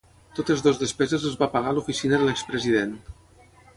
Totes dues despeses les va pagar l’oficina de l’ex-president.